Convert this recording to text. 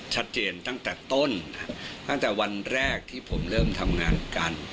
ชัดเจนตั้งแต่ต้นตั้งแต่วันแรกที่ผมเริ่มทำงานกัน